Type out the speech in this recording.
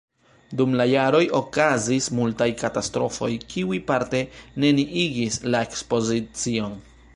Dum la jaroj okazis multaj katastrofoj, kiuj parte neniigis la ekspozicion.